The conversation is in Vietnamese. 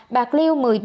bạc liêu một mươi ba